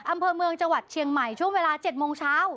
อำเภอเมืองจังหวัดเชียงใหม่ช่วงเวลา๗โมงเช้า